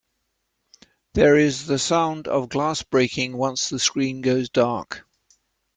There is the sound of glass breaking once the screen goes dark.